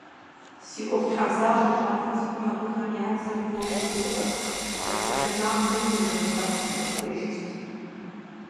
Си ӀуэхутхьэбзащӀэ щӀалэ цӀыкӀум абыхэм я бзэр фӀыуэ къыгурыӀуэрти, я псалъэмакъхэри зэзэмызэ къысхуиӀуэтэжырт.